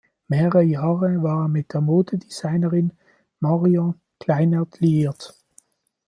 Mehrere Jahre war er mit der Modedesignerin Marion Kleinert liiert.